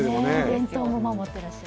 伝統を守っていらっしゃる。